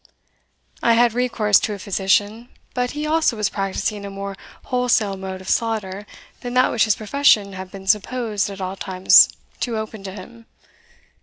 I had recourse to a physician, but he also was practising a more wholesale mode of slaughter than that which his profession had been supposed at all times to open to him.